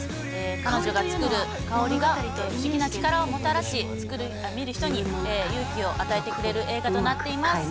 彼女がつくる香りが不思議な力をもたらし見る人に勇気を与えてくれる映画です。